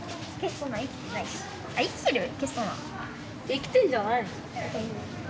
生きてんじゃないの？